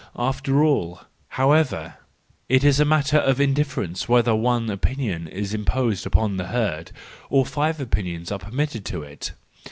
After all, however, it is a matter of indifference whether one opinion is imposed upon the herd, or five opinions are permitted to it.